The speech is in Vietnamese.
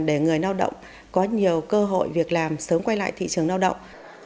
để người lao động có nhiều cơ hội việc làm sớm quay lại thị trường lao động